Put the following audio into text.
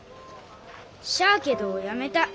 しゃあけどやめた。